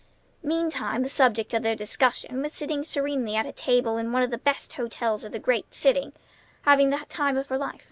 Meantime the subject of their discussion was seated serenely at a table in one of the best hotels of the great city, having the time of her life.